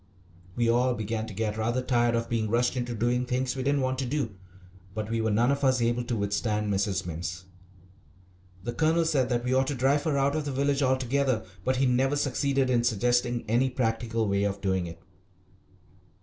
We all began to get rather tired of being rushed into doing things we didn't want to do; but we were none of us able to withstand Mrs. Mimms. The Colonel said that we ought to drive her out of the village altogether, but he never succeeded in suggesting any practical way of doing it.